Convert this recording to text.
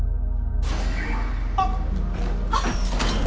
あっ！